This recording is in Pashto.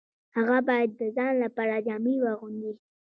هغه باید د ځان لپاره جامې واغوندي